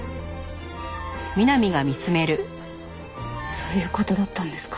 そういう事だったんですか。